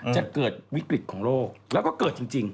จะเกิดวิกฤตของโลกแล้วก็เกิดจริง